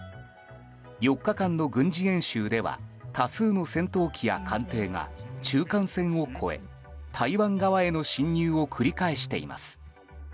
４日間の軍事演習では多数の戦闘機や艦艇が中間線を越え、台湾側への侵入を繰り返しています。